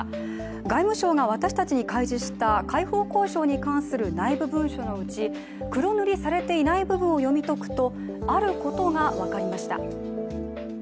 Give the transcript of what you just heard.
外務省が私たちに開示した解放交渉に関する内部文書のうち黒塗りされていない部分を読み解くとあることが分かりました。